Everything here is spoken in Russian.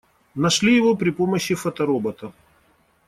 Нашли его при помощи фоторобота.